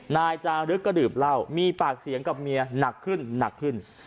นายจารึกก็ดื่มเหล้ามีปากเสียงกับเมียหนักขึ้นหนักขึ้น